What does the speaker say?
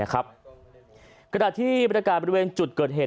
กระดาษที่บรรยากาศบริเวณจุดเกิดเหตุ